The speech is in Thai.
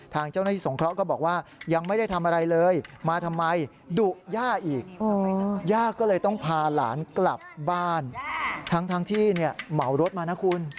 ทางเจ้าหน้าที่สงเคราะห์ก็บอกว่ายังไม่ได้ทำอะไรเลยมาทำไมดุย่าอีกย่าก็เลยต้องพาหลานกลับบ้านทั้งที่เหมารถมานะคุณ